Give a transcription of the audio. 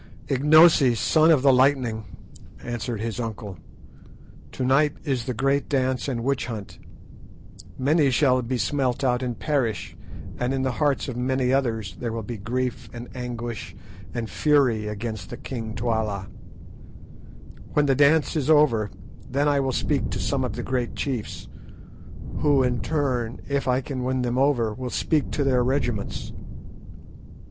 "Ignosi, Son of the Lightning," answered his uncle, "to night is the great dance and witch hunt. Many shall be smelt out and perish, and in the hearts of many others there will be grief and anguish and fury against the king Twala. When the dance is over, then I will speak to some of the great chiefs, who in turn, if I can win them over, will speak to their regiments.